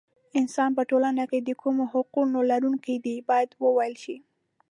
انسان په ټولنه کې د کومو حقونو لرونکی دی باید وویل شي.